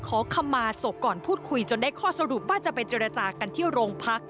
ขอคำมาศพก่อนพูดคุยจนได้ข้อสรุปว่าจะไปเจรจากันที่โรงพัก